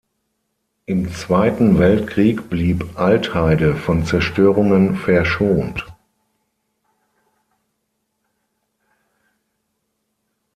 Im Zweiten Weltkrieg blieb Altheide von Zerstörungen verschont.